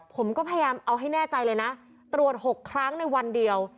ผมก็พยายามเอาให้แน่ใจเลยนะตรวจ๖ครั้งในวันเดียว